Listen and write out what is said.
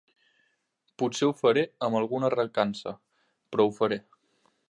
Potser ho faré amb alguna recança, però ho faré.